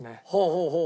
ほうほう。